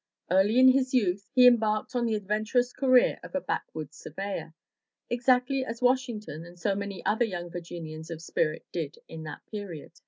Early in his youth, he embarked on the adventurous career of a backwoods surveyor, exactly as Washington and so many other young Virginians of spirit did at that period.